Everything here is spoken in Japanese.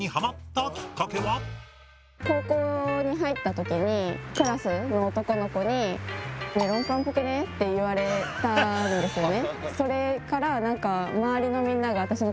そもそもクラスの男の子に「メロンパンっぽくね？」って言われたんですよね。